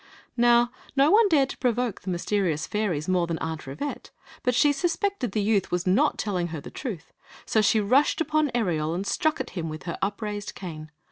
Now no one feared to provoke the mysterious fairies more than Aunt Rivette; but she suspected the youth was not telling her the truth, so she rushed upon Ereol and struck him with her upraised cane.